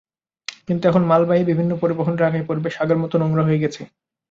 কিন্তু এখন মালবাহী বিভিন্ন পরিবহন রাখায় পরিবেশ আগের মতো নোংরা হয়ে গেছে।